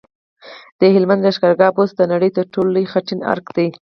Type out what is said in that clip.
د هلمند لښکرګاه بست د نړۍ تر ټولو لوی خټین ارک دی